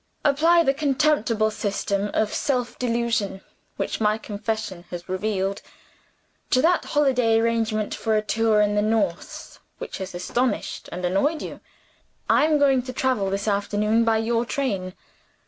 Apply the contemptible system of self delusion which my confession has revealed, to that holiday arrangement for a tour in the north which has astonished and annoyed you. I am going to travel this afternoon by your train.